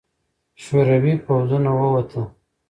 شوروي پوځونه ووته.